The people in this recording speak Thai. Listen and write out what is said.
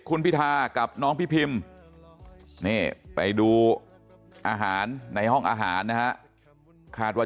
คุณพิทากับน้องพี่พิมนี่ไปดูอาหารในห้องอาหารนะฮะคาดว่า